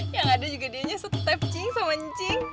yang ada juga dianya setep cing sama ncing